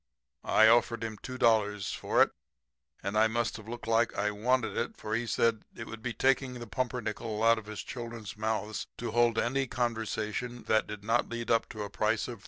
"'I offered him $2 for it, and I must have looked like I wanted it, for he said it would be taking the pumpernickel out of his children's mouths to hold any conversation that did not lead up to a price of $35.